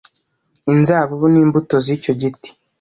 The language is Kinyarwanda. inzabibu ni imbuto z’icyo giti